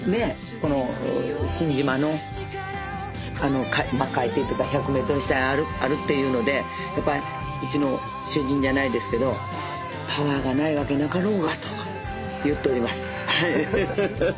この新島の海底っていうか１００メートル下にあるっていうのでやっぱりうちの主人じゃないですけど「パワーがないわけなかろうが」と言っております。